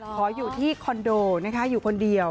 ขออยู่ที่คอนโดนะคะอยู่คนเดียว